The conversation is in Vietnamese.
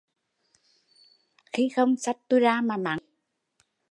Khi không xách tui ra mà mắng, tui có dính líu chi